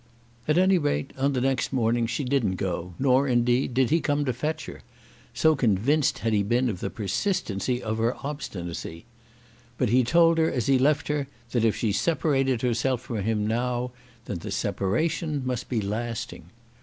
At any rate on the next morning she didn't go, nor, indeed, did he come to fetch her, so convinced had he been of the persistency of her obstinacy. But he told her as he left her that if she separated herself from him now, then the separation must be lasting.